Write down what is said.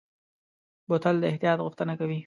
بوتل د احتیاط غوښتنه کوي.